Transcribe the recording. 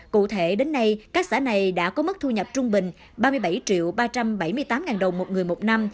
cụ thể đến nay các xã này đã có mức thu nhập trung bình ba mươi bảy triệu ba trăm bảy mươi tám đồng một người một năm